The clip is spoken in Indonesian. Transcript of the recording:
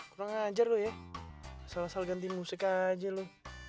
kurang ajar loh ya asal asal ganti musik aja lu